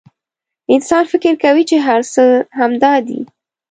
انسان فکر کوي چې هر څه همدا دي.